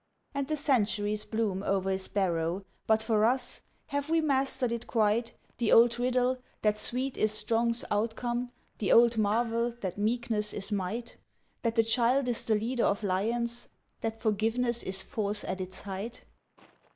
And the centuries bloom o'er his barrow. But for us, have we mastered it quite, The old riddle, that sweet is strong's outcome, the old marvel, that meekness is might, That the child is the leader of lions, that forgiveness is force at its height?